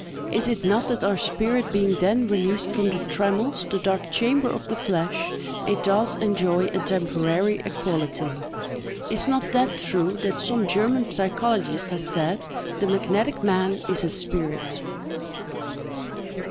Is it not that our spirit being then released from the trammels—the dark chamber of the flesh—it does enjoy a temporary equality? Is not that true, that some German psychologist has said—"_The magnetic man is a spirit!